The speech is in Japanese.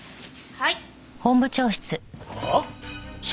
はい。